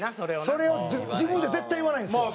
それを自分で絶対言わないんですよ。